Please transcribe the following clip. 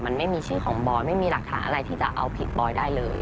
มันไม่มีชื่อของบอยไม่มีหลักฐานอะไรที่จะเอาผิดบอยได้เลย